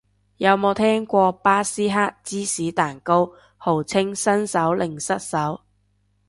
有冇聽過巴斯克芝士蛋糕，號稱新手零失手